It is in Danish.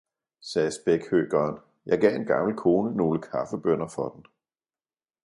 sagde spækhøkeren, jeg gav en gammel kone nogle kaffebønner for den.